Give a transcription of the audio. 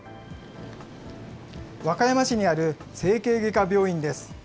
和歌山市にある整形外科病院です。